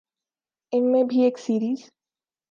ان میں سے بھی ایک سیریز